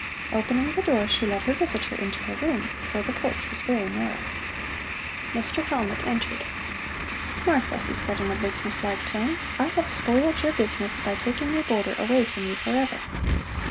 Opening the door she led her visitor into her room, for the porch was very narrow. Mr. Hellmut entered. "Martha," he said in a business like tone, "I have spoiled your business by taking your boarder away from you forever.